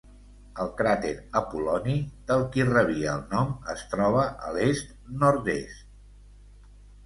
El cràter Apol·loni, del qui rebia el nom, es troba a l'est-nord-est.